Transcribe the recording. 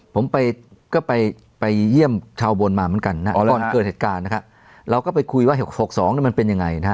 ผมไปก็ไปเยี่ยมชาวบนมาเหมือนกันนะก่อนเกิดเหตุการณ์นะครับเราก็ไปคุยว่า๖๒มันเป็นยังไงนะฮะ